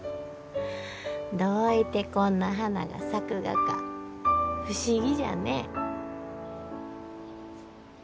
どういてこんな花が咲くがか不思議じゃね。